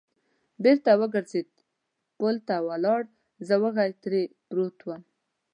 بېرته و ګرځېد، پل ته ولاړ، زه وږی تږی پروت ووم.